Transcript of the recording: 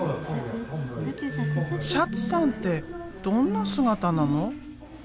「シャツさんってどんな姿なの？」。